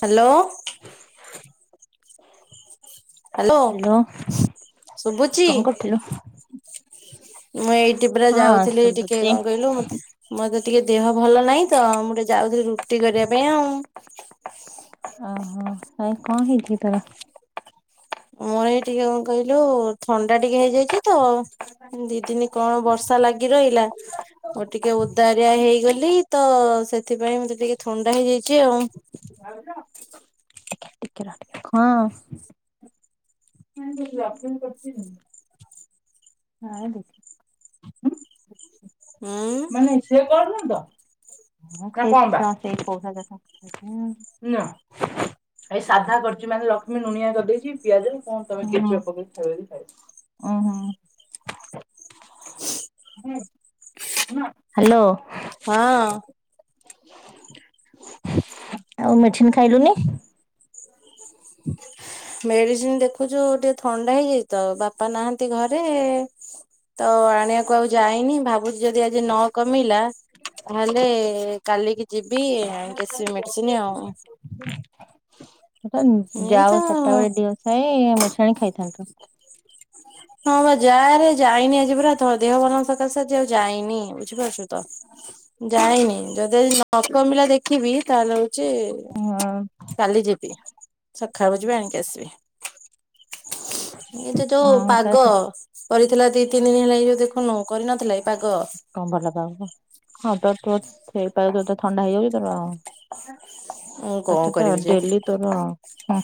Hello. Hello hello ଶୁବୁଚି? କଣ କରୁଥିଲୁ? ମୁଁ ଏଇଟି ପୁରା ହଁ ଯାଉଥିଲି ଟିକେ ଶୁଭୁଛି କଣ କହିଲୁ ମତେ ମୋତେ ଟିକେ ଦେହ ଭଲ ନାହିଁତ ମୁଟିକେ ଯାଉଥିଲି ରୁଟି କରିବା ପାଇଁ ଆଉ। ଓହୋ କାଇଁ କଣ ହେଇଚିକି ତୋର? ମୋର ଏଇ ଟିକେ କଣ କହିଲୁ ଥଣ୍ଡା ଟିକେ ହେଇଯାଇଚି। ତ ଦିଦିନ କଣ ବର୍ଷା ଲାଗି ରହିଲା ମୁଟିକେ ଉଦାରିଆ ହେଇଗଲିତ ସେଥିପାଇଁ ମତେ ଟିକେ ଥଣ୍ଡା ହେଇଯାଇଚି ଆଉ। ଟିକେ ଟିକେ ରହ ହଁ। [unintelligible] ହଁ ଦେଖି ଉଁ। କାଇଁ ସିଏ କରୁନିତ [unintelligible] ଏଇ ସାଧା କରିଚି ମାନେ ଲକ୍ଷ୍ମୀ ଲୁଣିଆ କରିଦେଇଚି ପିଆଜ ହଁ ହଁ କଣ ତମେ କେଚପ୍ ପକେଇ ଖାଇବ ଯଦି ଖାଇବ। [inaudible] ହାଲୋ। ହଁ। ଆଉ ମେଡ଼ିସିନ୍ ଖାଇଲୁନି? [inaudible] ମେଡ଼ିସିନ୍ ଦେଖୁଛୁ ଟିକେ ଥଣ୍ଡା ହେଇଯାଇଚିତ ବାପା ନାହାନ୍ତି ଘରେ ତ ଆଣିବାକୁ ଆଉ ଯାଇନି ଭାବୁଚି ଯଦି ଆଜି ନକମିଲା ନହେଲେ କାଲିକି ଯିବି ନେଇକିଆସିବି ମେଡ଼ିସିନ୍ ଆଉ। ଯାଉ [unintelligible] ଏଇ ତ ମେଡ଼ିସିନ୍ ଆଣିକି ଖାଇଥାନ୍ତୁ। ହଁବା ଯାଆରେ ଯାଇନି ଆଜି ପୁରା ଦେହ ଭଲ ନଥିବା ସକାଶେ ଆଜି ଆଉ ଯାଇନି ବୁଝିପାରୁଛୁତ ଯାଇନି। ଯଦି ଆଜି ନକମିଲା ଦେଖିବି ତାହେଲେ ହଉଚି ହଁ କାଲି ଯିବି। ସକାଳୁ ଯିବି ଆଣିକି ଆସିବି। ଏଇତ ଅ ଯୋଉ କଣ ପାଗ କରିଥିଲା ଦିତିନି ଦିନି ହେଲାଣି ଏଯୋଉ ଦେଖୁନୁ କରିନଥିଲା ଏଇ ପାଗ। କଣ ଭଲପାଗ ନୁହଁ ହଁ ତୋରତ ସେଇ ପାଗରେ ତତେ ଥଣ୍ଡା ହେଇଯାଉଚି ତୋର ମୁଁ କଣ ତତେତ କରିବି ଯେ। ଡେଲି ତୋର ହୁଁ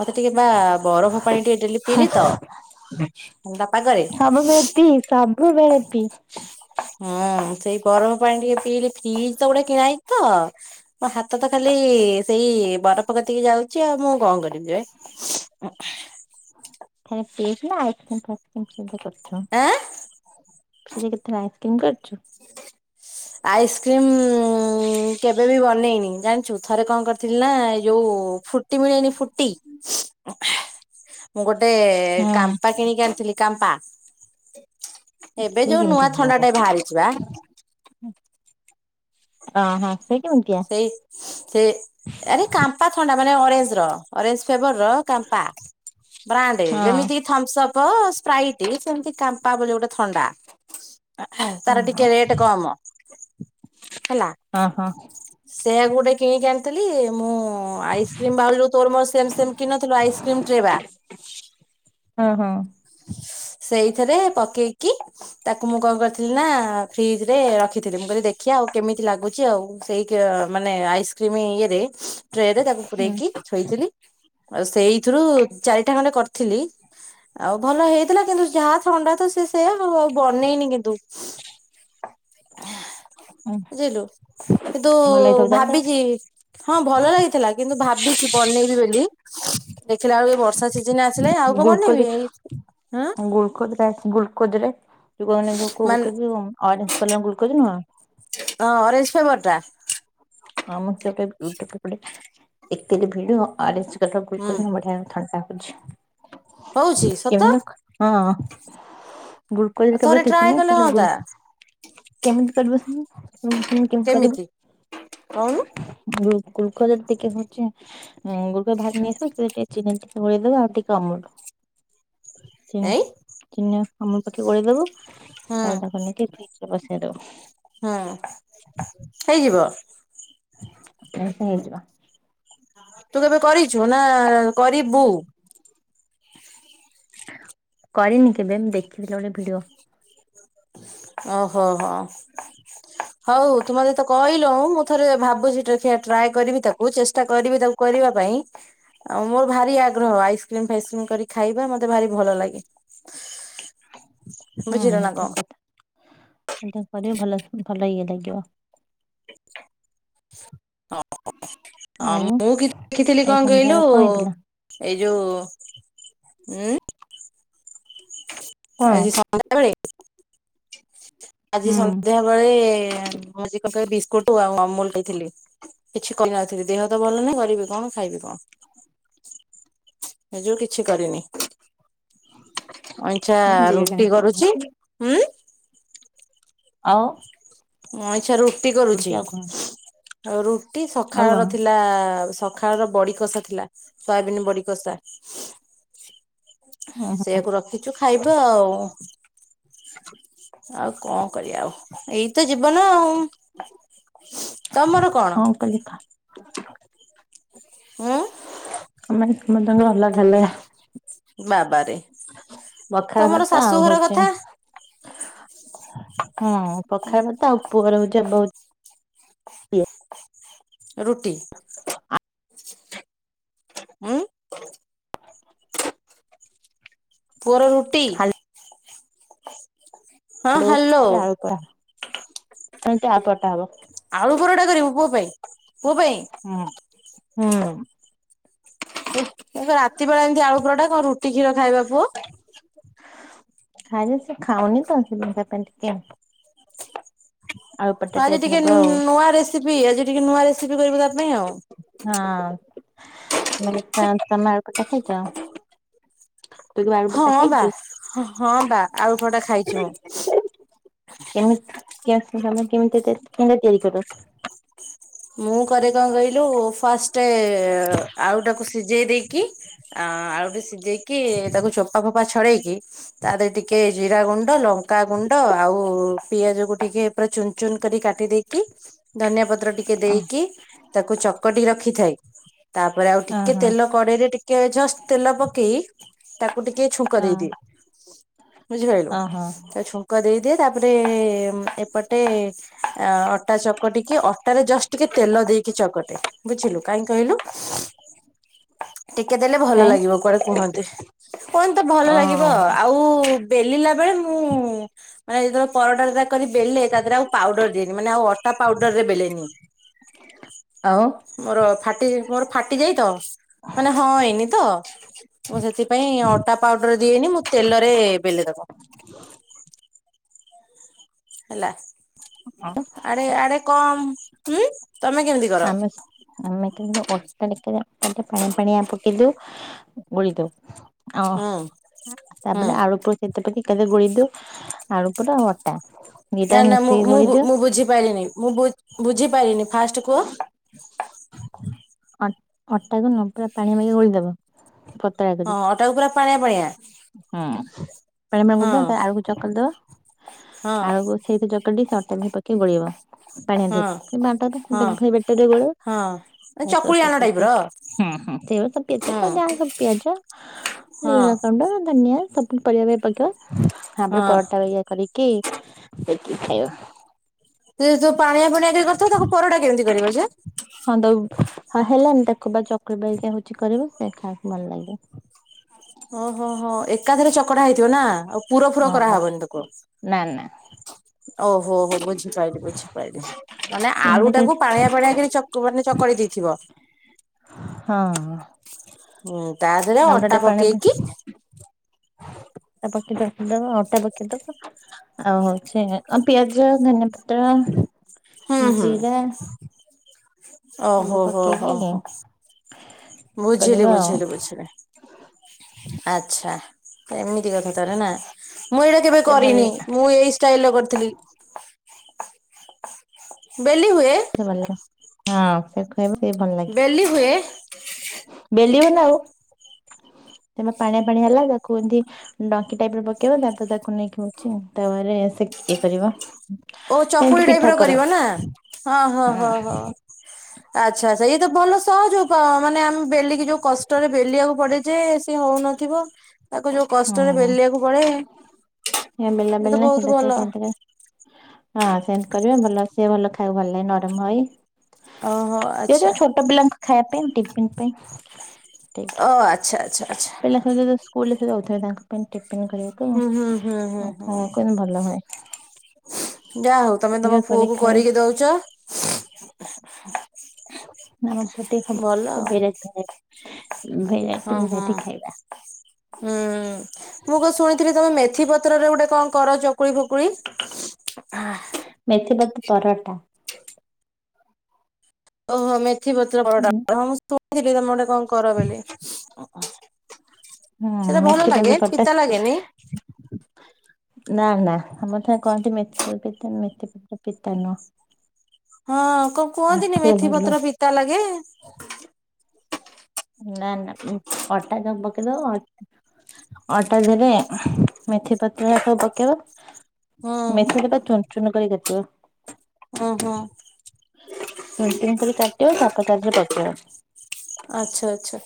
ମତେ ଟିକେବା ବରଫ ପାଣି ଟିକେ ଦେଲି ପିଇଲିତ ଥଣ୍ଡା ପାଗରେ ସବୁବେଳେ ପି, ସବୁବେଳେ ପି। ହୁଁ ସେଇ ଗରମ ପାଣି ଟିକେ ପିଇଲେ ବ୍ରିଜ୍ ତ ଗୋଟେ କିଣା ହେଇଚିତ ମୋ ହାତତ ଖାଲି ସେଇ ବରଫ କତିକି ଯାଉଚି ଆଉ ମୁକଣ କରିବି ଯେ। ଉଁ ଖାଲି ପିଇଚୁନା ଆଇସକ୍ରିମ ଫାଇସକ୍ରିମ ସେମିତି କରିଚୁ? ଆଁ ଫ୍ରିଜିରେ କେତେଳେ ଆଇସ୍କ୍ରିମ କରିଚୁ? [inaudible] ଆଇସ୍କ୍ରିମ୍ କେବେବି ବନେଇନି ଜାଣିଚୁ ଥରେ କଣ କରିଥିଲିନା ଏଇଯୋଉ ଫୁଟି ମିଳେନି ଫୁଟି ମୁଗୋଟେ ହଁ କାମ୍ପା କିଣିକି ଆଣିଥିଲି କାମ୍ପା ଏବେ ସେ ଯୋଉ ନୂଆ କେମିତି ଥଣ୍ଡାଟେ ବାହାରି ହୁଁ। ହଁ ସେ କେମିତିଆ? ସେଇ ସେ ଆରେ କାମ୍ପା ଥଣ୍ଡା ମାନେ ଅରେଞ୍ଜ୍ ର ଅରେଞ୍ଜ୍ ଫ୍ଲେବର ର କାମ୍ପା। ବ୍ରାଣ୍ଡେ ହଁ। ଯେମିତି ଥମସପ୍, ସ୍ପ୍ରାଇଟି ସେମିତି କାମ୍ପା ବୋଲି ଗୋଟେ ଥଣ୍ଡା। ହଁ ତାର ହଁ ଟିକେ ରେଟେ କମ ହେଲା। ଓ ହ। ସେୟା କୁ ଗୋଟେ କିଣିକି ଆଣିଥିଲି ମୁଁ ଆଇସ୍କ୍ରିମ୍ ବାଉଲ୍ ରୁ ତୋର ମୋର ସେମ୍ ସେମ୍ କିଣି ନଥିଲୁ ଆଇସ୍କ୍ରିମ୍ ଟ୍ରେ ବା। ହଁ- ହଁ। ସେଇଥେରେ ପକେଇକି ତାକୁ ମୁଁ କଣ କରିଥିଲି ନା ଫ୍ରିଜ୍ ରେ ରଖିଥିଲି ମୁଁ କହିଲି ଦେଖିବା ଆଉ କେମିତି ଲାଗୁଚି ଆଉ। ସେଇ କିଅ- ମାନେ ଆଇସ୍କ୍ରିମ୍ ଇଏରେ ଟ୍ରେରେ ତାକୁ ହୁଁ ପୁରେଇକି ଥୋଇଥିଲି। ଆଉ ସେଇଥିରୁ ଚାରିଟା ଖଣ୍ଡେ କରିଥିଲି ଆଉ ଭଲ ହେଇ ଥିଲା କିନ୍ତୁ ଯାହା ଥଣ୍ଡା ତ ସେ ସେଇଆ ମୁଁ ଆଉ ବନେଇନି କିନ୍ତୁ। ହୁଁ ବୁଝିଲୁ କିନ୍ତୁ ଭଲ ହେଇଥିବ ତାହେଲେ ଆଉ ଭାବିଚି ହଁ ଭଲ ହେଇଥିଲା କିନ୍ତୁ ଭାବିଚି ବନେଇବି ବୋଲି ଦେଖିଲା ବେଳୁ ଏ ବର୍ଷା ଜିନା ଆସିଲେ ଆଉ କଣ ବନେଇବି ଏଇ ହଁ ଗ୍ଲୁକୋଜ୍ ଟାଇପ୍ -ଗ୍ଲୁକୋଜ ରେ ଲୋକମାନେ ମାନେ କହୁଚନ୍ତି ଅ- ଅରେଞ୍ଜ୍ କଲର୍ ଗ୍ଲୁକୋଜ୍ ନୁହଁ ହଁ ଅରେଞ୍ଜ୍ ଫ୍ଲେବର୍ ଟା? [unintelligible] ସେଟା ଗ୍ଲୁକୋଜ୍ ନୁହଁ ବଢ଼ିଆ ହୁଁ ଥଣ୍ଡା ହଉଚି। [unintelligible] ହଉଚି ସତ ହଁ ଆଉ ଗ୍ଲୁକୋଜ୍ ଥରେ କେବଳ କିଛି ଟ୍ରାଏ ନାହିଁ କଲେ ଖାଲି ଗୁଲ୍- ହଅନ୍ତା କେମିତି କରିବ ସେମ୍ -ଫୁଣି କେତ୍ କେମିତି କଉନୁ? [unintelligible] ଚିନି ଟିକେ ଗୋଳେଇଦବ ଆଉ ଟିକେ ଅମୁଲ୍ ଏଇ ଚିନି ଆଉ ଅମୁଲ୍ ପକେଇ ଗୋଳେଇଦବ ହୁଁ ଆଉ ତାକୁ ନେଇକି ଫ୍ରିଜ୍ ରେ ବସେଇ ଦବ। ହୁଁ- ହେଇଯିବ? ହଁ-ହେଇଯିବ। ତୁ କେବେ କରିଚୁ ନା କରିବୁ? କରିନି କେବେ ମୁଁ ଦେଖିଥିଲି ଗୋଟେ ଭିଡିଓ। ଓ ହୋ-ହୋ। ହଉ ତୁ ମତେ ତ କହିଲୁଉଁ ମୁଁ ଥରେ ଭାବୁଚି ଦେଖିଆ ଟ୍ରାଏ କରିବି ତାକୁ ଚେଷ୍ଟା କରିବି ତାକୁ କରିବା ପାଇଁ। ଆଉ ମୋର ଭାରି ଆଗ୍ରହ ଆଇସ୍କ୍ରିମ୍ ଫାଇସ୍କ୍ରିମ୍ କରି ଖାଇବା ମତେ ଭାରି ଭଲ ଲାଗେ। ବୁଝିଲ ହୁଁ ନା ଠିକ୍ କଣ? କଥା ଏଇଟା କରିବ ଭଲ-ଭଲ ଇଏ ଲାଗିବ। ଓ [unintelligible] ଆଉ ମୁଁ କି ଦେଖିଥିଲି ଏ କଣ କହିଲୁ ସନ୍ଧ୍ୟାବେଳେ କଣ ହେଇଥିଲା ଏଇ ଯଉ ଉଁ କଣ ଆଜି ସନ୍ଧ୍ୟାବେଳେ- ଆଜି ସନ୍ଧ୍ୟା ବଳେ ମୁଁ ଦି ପକାର୍ ବିସ୍କୁଟ ଆଉ ଅମୁଲ୍ ଦେଇଥିଲି। କିଛି କରିନଥିଲି ଦେହ ତ ଭଲ ନାହିଁ କରିବି କଣ ଖାଇବି କଣ। ହେଇ ଯୋଗୁ କିଛି କରିନି। ଚା ହୁଁ ବିରିୟାନୀ ରୁଟି କରୁଚି। ଖାଇଥିଲି ଆଉ ମୁଁ ଅଇଁଛା ରୁଟି କରୁଚି ଆଉ କଣ ଆଉ ରୁଟି ଆଉ ସଖାଳ ର କଣ? ଥିଲା ସ ସଖାଳର ବଡି କଷା ଥିଲା ସୋୟାବିନ୍ ବଡି କଷା। ଓହୋ ସେଇଆକୁ ରଖିଚୁ ଖାଇବା ଆଉ। ଆଉ କଣ କରିଆ ଆଉ ଏଇ ତ ଜୀବନ ଆଉ। ତମର କଣ? [unintelligible] ଉଁ। [unintelligible] ବାବାରେ, ପଖାଳ ତମର ଭାତ ଆଉ ଶାଶୁଘର ହଉଛି କଥା। ହଁ ପଖାଳ ଭାତ ଆଉ ପୁଅର ହଉଝ ବଉ ରୁଟି। ଆ ଉଁ ପୁଅର ରୁଟି? ହଉଛି ହାଲୋ, ଏ ଆଳୁ ଟା, ଆଳୁ ପରଟା ହବ। ଆଳୁ ପରଟା କରିବୁ ପୁଅ ପାଇଁ? ପୁଅ ପାଇଁ? ହଁ, ହୁଁ। ଏ କଣ ରାତି ବେଳା ଏମିତି ଆଳୁ ପୁରଟା, କଣ ରୁଟି କ୍ଷୀର ଖାଏ ବା ପୁଅ? ଖାଇଲେ, ସେ ଖାଉନି ତ, ସେଥିପାଇଁ ତା ପାଇଁ ଟିକେ ଆଳୁ ପରଟା ସହଜେ ଆଜି ଟିକେ ହବ ଆଉ ନୂଆ ରେସିପି, ଆଜି ଟିକେ ନୂଆ ରେସିପି କରିବୁ ତା ପାଇଁ ଆଉ। ହଁ। ମୁଁ କହିଲି ତମେ ଆଳୁ ପରଟା ଖାଇଚ? ହଁ ବା, ହଁ ବା ଆଳୁ ପରଟା ଖାଇଚି ମୁଁ। କେମତି [unintelligible] କେମିତି ତିଆରି କଲ? ମୁଁ କରେ କଣ କହିଲୁ, ଫାଷ୍ଟ ଆଳୁଟାକୁ ସିଝେଇ ଦେଇକି ଆ ଆଳୁ ଟିକେ ସିଝେଇକି, ତାକୁ ଚୋପା ଫୋପା ଛଡେଇକି, ତା ଦେହରେ ଟି ଟିକେ ଜିରା ଗୁଣ୍ଡ, ଲଙ୍କାଗୁଣ୍ଡ, ଆଉ ପିଆଜକୁ ଟିକେ ପୁରା ଚୁନ୍ ଚୁନ୍ କରି କାଟି ଦେଇିକି, ଧନିଆ ପତ୍ର ଟିକେ ଦେଇକି, ତାକୁ ଚକଟି ରଖିଥାଏ। ତାପରେ ଆଉ ଟିକେ ଓହୋ ତେଲ କଡେଇରେ ଟିକେ ଜଷ୍ଟ ତେଲ ପକେଇ ତାକୁ ଟିକେ ଛୁଙ୍କ ଦେଇଦିଏ। ବୁଝିପାଇଲୁ ଓହୋ ତା ଛୁ ଛୁଙ୍କ ଦେଇଦିଏ, ତାପରେ ଏପଟେ ଆଁ ଅଟା ଚକଟିକି ଅ ଅଟାରେ ଜଷ୍ଟ ଟିକେ ତେଲ ଦେଇକି ଚକଟେ। ବୁଝିଲୁ କାହିଁ କହିଲୁ, ଟିକେ ଦେଲେ ଭଲ କାଇଁ ଲାଗିବ କୁଆଡେ କୁହନ୍ତି। ପୁଣି ତ ଭଲ ଲାଗିବ। ଓହୋ ଆଉ ବେଲିଲା ବେଳେ ମୁଁ ମାନେ ଯେତେବେଳେ ପରଟା ଦିଟା କରି ବେଲେ, ତା ଦେହରେ ଆଉ ପାଉଡର ଦିଏନି। ମାନେ ଆଉ ଅଟା ପାଉଡର ରେ ବେଲେନି। [inaudible] ମୋର ଫାଟି, ମୋର ଫାଟି ଯାଏ ତ ମାନେ ହଁ ଏଇନି ତ ମୁଁ ସେଥିପାଇଁ ଅଟା ପାଉଡର ଦିଏନି ମୁଁ ତେଲରେ ବେଲେ ତାକୁ। ହେଲା। ଆଉ ଆରେ, ଆରେ କମ୍-ହୁଁ ତମେ କେମିତି କର? ଆମେ ଆମେ କିନ୍ତୁ ଅଟା ରେ ଟିକେ ପାଣି ପଣିିଆ ପକେଇ ଦଉ, ଗୋଳିଦଉ। ଓ, ହୁଁ ହୁଁ ତାପରେ ଆଳୁ କ ସେତଟା [unintelligible] ଗୋଲେଇ ଦୋଉ। ଆଳୁ ପୁର, ଆଉ ଅଟା। ଦିଟା ନା ନା, ମୁଁ ମିଶେଇକି ମୁ ଗୋଳି ଦିଅ ମୁଁ ବୁଝିପାରିନି। ମୁଁ ବୁଝିପାରିନି, ଫାଷ୍ଟ କୁହ। ଅ- ଅଟାକୁ ନ ପୁରା ପାଣି ପାକେଇ ଗୋଲେଇ ଦବ ପତଳା ହଁ କରିକି। ଅଟାକୁ ପୁରା ପାଣିଆ ପାଣିଆ ହୁଁ [unintelligible] ହଁ ଚକୁଡି ଦବ, ହଁ ଆଳକୁ ସେଇଥି ଚକଟି ସେ ଅଟା କୁ ପକେଇ ଗୋଲେଇ ବ। ପାଣିଆ ଦେ ହଁ ହଁ [unintelligible] ହଁ ଆଉ ସବୁ ଚକୁଳି ଆଣ ଟାଇପ ପକେଇବେ। ର ହୁଁ ହୁଁ। [unintelligible] ହଁ ସବୁ ପିଆଜ। ହଁ ଲୁଣ, ଗୁଣ୍ଡ ଧନିଆ ସ ପରିବା ବି ପକେଇବ, ତାପରେ ହଁ ପରଟା ଭାଲିଆ କରିକି, ସେ ଖାଇବ। ସେ ଯୋଉ ପାଣିଆ, ଫାଣିଆ ଟିକେ କରି ଥିବ, ତାକୁ ପରଟା କେମିତି କରିବ ଯେ? ହଁ ତ ହଁ ହେଲାନି ଦେଖ ବା ଚକୁଳି ପରିକା ହୋଉଛି କରିବୁ, ସେ ଖାଇବାକୁ ଭଲ ଲାଗିବ। ଓଁ ହଁ ହଁ ଏ ଏକାଥରେ ଚକଡା ହେଇଥିବ ନା, ଆଉ ପୁର ଫୁର ହଁ କରାହବନି ଆଉ ତକୁ? ନା ନା। ଓହୋ ହୋ ବୁଝିପାଇଲିି, ବୁଝିପାଇଲିି ମାନେ ଆଳୁ ସେମିତି କରି ଟାକୁ ପାଣିଆ ପାଣିଆ କରି ଚ [unintelligible] ଦେଇଥିବ। ହଁ। ହୁଁ ତା। ଦେହରେ ଆଉ ଅଟା ଗେଟେ ଟେ ପାଣି ପକେଇକି ପକେ ପକେଇଖଦବା ଅଟା ପକେଇଦବା। ଆଉ ହଉଛି ଆ ପିଆଜ ଧନିଆ ପତ୍ର ହୁଁ ହୁଁ ଜିରା। ସବୁ ଓହୋ ହୋ ହୋ ପକେଇକି ହୋ କରିବା ବୁଝିଲି ଆଉ ବୁଝିଲି ବୁଝିଲି। ଆଚ୍ଛା ଏମିତି କଥା ତରେ ନା ମୁଁ ଏଇଟା। କେବେ ସେ ଭଲ କରିନି ମୁଁ ଏଇ ଷ୍ଟାଇଲ କରିଥିଲି। ବେଲି ହୁଏ। ଭଲ ଲାଗେ ହଁ ସେ ଖୁହବ ସେ ଭଲ ଲାଗେ। ବେଲି ହୁଏ। ବେଲିବ ନା ଆଉ ତମ ପାଣିଆ ପାଣି ହେଲା ତାକୁ ଏମତି। ଡଙ୍କି ଟାଇପ ରେ ପକେଇବା ୟାକୁ ତାକୁ ନେଇକି ହଉଛି ତାୱା ରେ ସେ ଇଏ କରିବ। ଓ ସେମିତି ଚକୁଳି ପିଠା ଟାଇପ ର କର? କରିବ ନା ହଁ ହଁ ହଁ ହ। ଆଚ୍ଛା ଆଛା ଏଇ ତ ଭଲ ସହଜ ଉପାୟ ମାନେ ଆମେ ବେଲିକି ଯୋଉ କଷ୍ଟ। ଷ୍ଟରେ ବେଲିବାକୁ ପଡେ ଯେ ସେ ହଉନଥିବ ତାକୁ ଯୋଉ। କଷ୍ଟରେ ହୁଁ ବେଲିବାକୁ ପଡେ ଏ ବେଲା ଏତ ବେଲନା ବହୁତ ସେମିତି ଭଲ। ସେମିତି ହଁ ସେମିତି କରିବେ ଭଲସିବେ ଭଲ ଖାଇବାକୁ ଭଲ ଲାଗେ ନରମ ହୋଇ। ଓହୋ ଏ ଆଚ୍ଛା ଯୋଉ ଛୋଟ ପିଲାଙ୍କ ଖାଇବା ପାଇଁ ଟିଫିନ। ଠିକ୍ ଓ ଆଚ୍ଛା ଆଚ୍ଛା ଆଚ୍ଛା ପିଲା ସ ସ୍କୁଲରେ ଯାଉଥିବେ ତାଙ୍କ। ଟିଫନ୍ ଖାଇବାକୁ ହୁଁ ହୁଁ ହୁଁ ହୁଁ ଆଉ ଖାଇବାକୁ ହୁଁ ଭଲ ହୁଏ। ଯାହା ହଉ ତମେ ତମ ଟିକେ ପୁଅ କୁ ଖାଇବା କରିକି ଦଉଛ। ଆମ ପଟେ ସବୁ ଭଲ ଜିନିଷ ଆଉ। ଭେରାଇଟି ଖାଇବା ଭେରାଇଟି ଭେରାଇଟି ଖାଇବା। ହୁଁଉଁ ମୁଁ କଣ ଶୁଣିଥିଲି ତମେ ମେଥି ପତ୍ରରେ ଗୋଟେ କଣ କର ଚକୁଳି ଫକୁଳି? ମେଥିପତ ପରଟା ଓହୋ ମେଥି ପତ୍ର ହୁଁ ପରଟା ହଁ ଶୁଥିଲି ତମେ ଗୋଟେ କଣ କର ବୋଲି ସେଟା ଭଲ ମେଥିପାତି ଲାଗେ ପରଟା ପିତା ଲାଗେନି? ନା ନା ଆମରତ କହନ୍ତି ମେଥିପ ପିତା ମେଥିପତ୍ର ପିତା ନୁହଁ। ହଁ କଣ କୁହନ୍ତିନି ସେ ମେଥି ଭଲ ପତ୍ର ପିତା ଲାଗେ। ନା ନା ଉଁ ଅଟାତକ ପକେଇଦବ ଅଟା ଧେରେ ଉଃ ମେଥିପତ୍ର ଘରିକା ସବୁ ପକେଇବ। ହୁଁ ମେଥିପତର ଚୁନୁ ଚୁନୁ କରି କାଟିବ ଓହୋ ଚୁନୁ ଚୁନୁ କରି କାଟିବା ତାପରେ ତାଦେହରେ ପକେଇବ ଆଚ୍ଛା ଆଛା।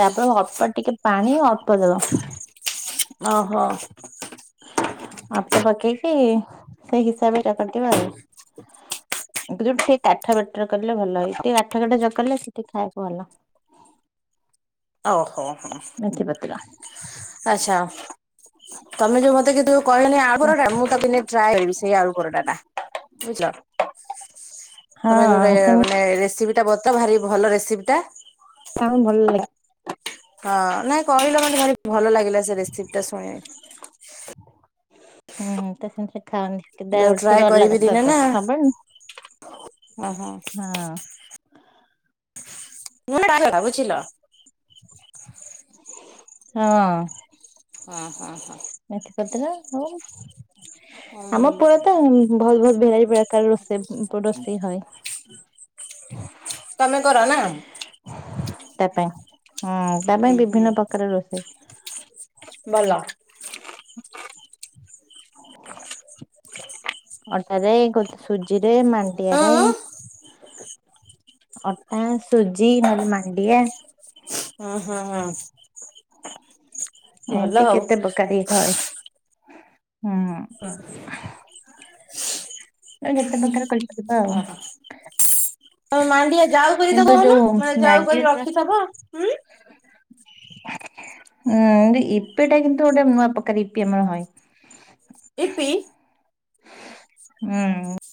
ତାପରେ ଅଳ୍ପ ଟିକେ ପାଣି ଅଳ୍ପ ଦବ। ଅ ହୋ ଅପ ପକେଇକି ସେଇ ହିସାବରେ ଚକଟିଦେବେ ଆଉ ଯୋଠୁ ସେଠିକ କାଠ [unintelligible] ବେଟରେ କଲେ ଭଲ ହେଇ ଟିକେ କାଠ କାଠ ଜ କଲେ ସେଠି ଖାଇବାକୁ ଭଲ ଓହୋ ହୁଁ ମେଥି ପତ୍ର ଉଁ ଆଶା ତମେ ଯୋଉ ମତେ କିନ୍ତୁ କହିଲନି ଆଗୁରୁ କା ଟା ମୁଁ କାଟିନି ଟ୍ରାଏ କରିବି ସେଇ ଆଳୁ ପରଟା ଟା ବୁଝିଲ ତମେ ଯୋଉଟା ହଁ ସେମିତି ମାନେ ରେସିପି ଟା ବତା ଭାରି ଭଲ ରେସିପି ଟା ତାହୁଁ ଭଲ ଲାଗେ। ହଁ ନାଇଁ କହିଲ ମତେ ଭାରି ଭଲ ଲାଗିଲା ସେ ରେସିପି ଟା ଶୁଣି ହୁଁହୁଁ ତା ସେମତି ସେ ଖାଆନ୍ତି କି ଯଉ ଦେଆଡୁ ସାଡୁ ଟ୍ରାଏ ଡର କରିବି ଲାଗେ ଦିନେ ନା ସତ ସବେଳେ ଓହୋ ହଁ ପୁଣି ତା କଥା ବୁଝିଲ। ହଁଅ। ହଁ ହଁ ହଁ। ମେଥିପତ୍ର ହଉ। ଆମ ପୁରା ହୁଁ ତ ଭଲ ଭେରାଇଟି ପ୍ରକାର ରୋଷେଇ ରୋଷେଇ ହଏ। [inaudible] କର ନା ହୁ ତା ପାଇଁ ହଁ ତା ଉଁ ପାଇଁ ହୁଁ ବିଭିନ୍ନ ପ୍ରକାର ରୋଷେଇ ଭଲ। [inaudible] ଆରେ କୋଉଠି ସୁଜିରେ ଉଁ ଉଁ ମାଣ୍ଡିଆରେ ହୁଁ ଅଟା ସୁଜି ନହେଲେ ମାଣ୍ଡିଆ ଉଁ ହୁଁ ହଁ। ଏମତି କେତେ ପକାରି ହଏ ହୁଁ। ହଁ [inaudible] ଆଉ ଯେତେ ପ୍ରକାର କରିଥିବା ଆଉ ତମେ ମାଣ୍ଡିଆ ଯାଉ କରି ତ କିନ୍ତୁ କହୁନ ଯୋଉ ମାନେ ଯାଉ କରି ମ୍ୟାଗିରେ ରଖିଥବ ହୁଁ। ଉଁ ଇପି ଟା କିନ୍ତୁ ଗୋଟେ ନୂଆ ପ୍ରକାର ଇପି ଆମର ହଏ ଇପି। ହୁଁ